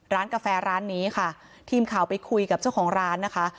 กาแฟร้านนี้ค่ะทีมข่าวไปคุยกับเจ้าของร้านนะคะ